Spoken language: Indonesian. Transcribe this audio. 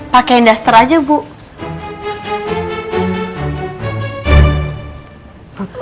pakain duster aja bu